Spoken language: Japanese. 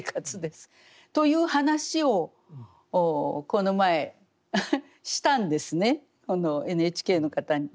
という話をこの前したんですねＮＨＫの方に。